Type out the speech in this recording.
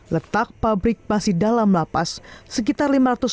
letak pabrik masih dalam lapas sekitar lima ratus meter dari blok hunian